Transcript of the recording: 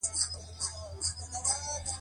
-له نورو سره د اړیکو جوړولو وړتیا